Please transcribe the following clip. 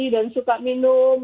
dan suka minum